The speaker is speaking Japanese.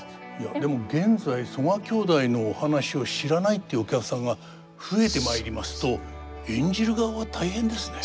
でも現在曽我兄弟のお話を知らないっていうお客さんが増えてまいりますと演じる側は大変ですね。